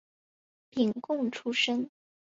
廪贡出身。